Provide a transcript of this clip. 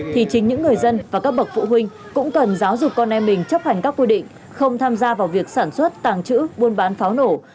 thì chính những người dân và các bậc phụ huynh cũng cần giáo dục con em mình chấp hành các quy định không tham gia vào việc sản xuất tàng trữ buôn bán pháo nổ